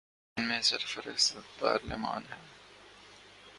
ان میں سر فہرست پارلیمان ہے۔